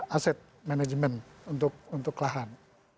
aset manajemen untuk lahan